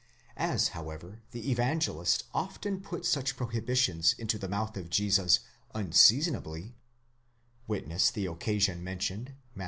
As, however, the Evangelist often put such prohibitions into the mouth of Jesus unseasonably (witness the occasion mentioned, Matt.